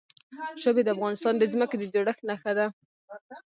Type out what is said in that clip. ژبې د افغانستان د ځمکې د جوړښت نښه ده.